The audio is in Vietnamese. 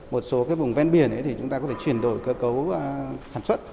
một số cái vùng ven biển thì chúng ta có thể chuyển đổi cơ cấu sản xuất